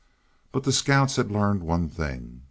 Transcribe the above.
But the scouts had learned one thing.